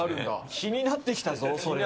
気になってきたぞ、それ。